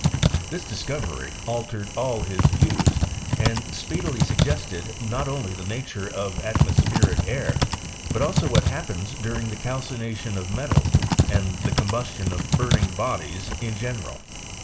This dis covery altered all his views, and speedily su^;ested not only the nature of atmospheric air, but also what happens during the calcination of metals and the combustion of burning bodies in general.